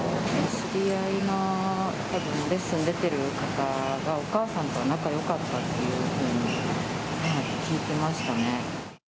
知り合いのたぶんレッスン出てる方が、お母さんとは仲よかったっていうふうに聞いてましたね。